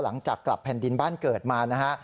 หลังจากกลับแผ่นดินบ้านเกิดมานะฮะ